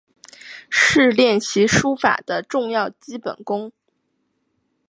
是练习书法的重要基本功。